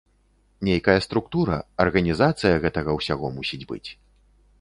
Нейкая структура, арганізацыя гэтага ўсяго мусіць быць.